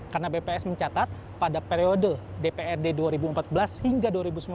karena bps mencatat pada periode dprd dua ribu empat belas hingga dua ribu sembilan belas